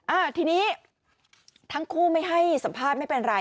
อ่าทีนี้ทั้งคู่ไม่ให้สัมภาษณ์ไม่เป็นไร